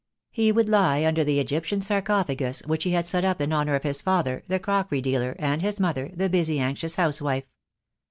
He would lie under the Egyptian sarcophagus which he had set up in honour of his father, the crockery dealer, and his mother, the busy, anxious house wife.